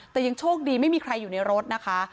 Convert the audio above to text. แต่ยังโชคดีไม่มีใครอยู่ในรถนะคะ